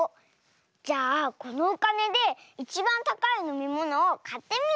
じゃあこのおかねでいちばんたかいのみものをかってみよう！